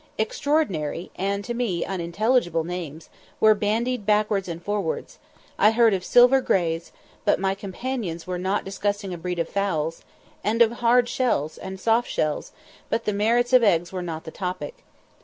Extraordinary, and to me unintelligible names, were bandied backwards and forwards; I heard of "Silver Grays," but my companions were not discussing a breed of fowls; and of "Hard Shells," and "Soft Shells," but the merits of eggs were not the topic.